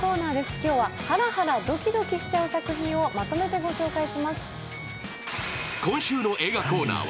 今日はハラハラドキドキしちゃう作品をまとめてご紹介します。